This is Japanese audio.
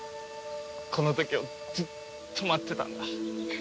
この時をずっと待ってたんだ。